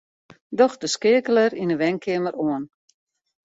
Doch de skeakeler yn 'e wenkeamer oan.